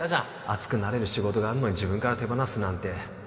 熱くなれる仕事があるのに自分から手放すなんて